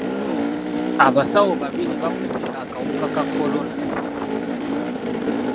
Abasawo babiri bafudde akawuka ka kolona.